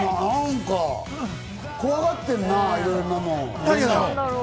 怖がってんな、いろんなもの。